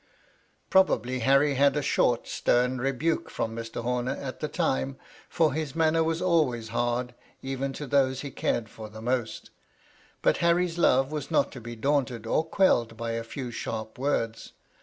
Probably Harry had a short, stem, rebuke from Mr. Horner at the time, for his manner was always hard even to those he cared for the most But Harry's love was not to be daunted or quelled by a few sharp words.